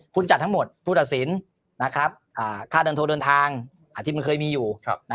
คุณจัดทั้งหมดผู้ตัดสินค่าเดินโทรเดินทางที่มันเคยมีอยู่